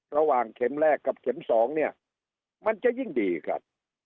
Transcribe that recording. เข็มแรกกับเข็มสองเนี่ยมันจะยิ่งดีครับ